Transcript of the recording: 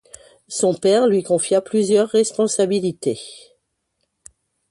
Son père lui confia plusieurs responsabilité.